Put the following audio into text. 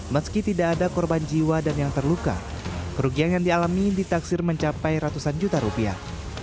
meski tidak ada korban jiwa dan yang terluka kerugian yang dialami ditaksir mencapai ratusan juta rupiah